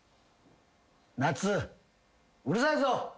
なつうるさいぞ！